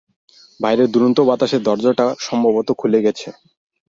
বাইরের দুরন্ত বাতাসে দরজাটা সম্ভবত খুলে গেছে।